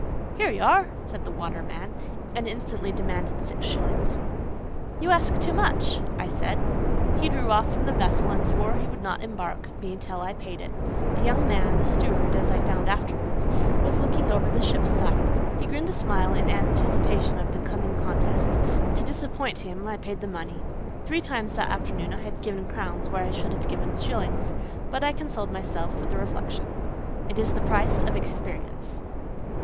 —"Here you are!" said the waterman, and instantly demanded six shillings. "You ask too much," I said. He drew off from the vessel and swore he would not embark me till I paid it. A young man, the steward as I found afterwards, was looking over the ship's side; he grinned a smile in anticipation of the coming contest; to disappoint him, I paid the money. Three times that afternoon I had given crowns where I should have given shillings; but I consoled myself with the reflection, "It is the price of experience."